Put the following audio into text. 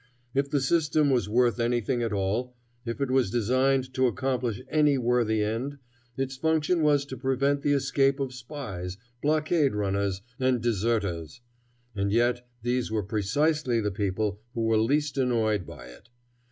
If the system was worth anything at all, if it was designed to accomplish any worthy end, its function was to prevent the escape of spies, blockade runners, and deserters; and yet these were precisely the people who were least annoyed by it.